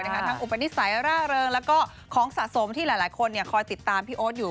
ทั้งอุปนิสัยร่าเริงแล้วก็ของสะสมที่หลายคนคอยติดตามพี่โอ๊ตอยู่